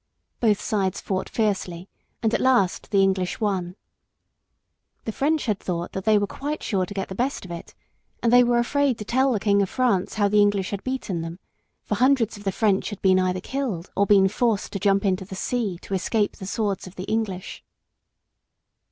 Both sides fought fiercely, and at last the English won. The French had thought that they were quite sure to get the best of it, and they were afraid to tell the King of France how the English had beaten them, for hundreds of the French had been either killed or been forced to jump into the sea to escape the swords of the English.